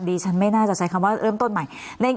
ฉันไม่น่าจะใช้คำว่าเริ่มต้นใหม่